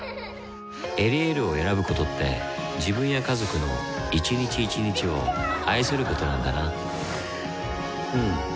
「エリエール」を選ぶことって自分や家族の一日一日を愛することなんだなうん。